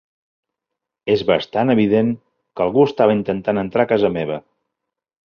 És bastant evident que algú estava intentant entrar a casa meva.